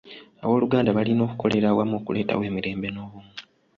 Abooluganda balina okukolera awamu okuleetawo emirembe n'obumu.